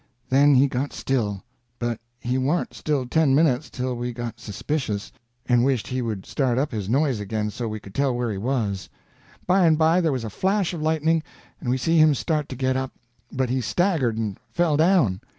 Then he got still; but he warn't still ten minutes till we got suspicious, and wished he would start up his noise again, so we could tell where he was. By and by there was a flash of lightning, and we see him start to get up, but he staggered and fell down.